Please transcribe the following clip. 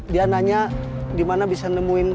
dia nanya gimana bisa nemuin